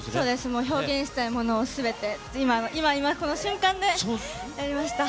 もう表現したいものをすべて、今、今この瞬間でやりました。